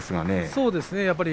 そうですね。